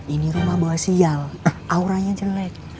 ini rumah bawa sial auranya jelek